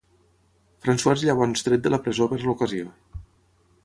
François és llavors tret de la presó per l'ocasió.